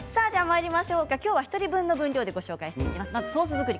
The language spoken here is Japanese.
今日は１人分の分量でご紹介します。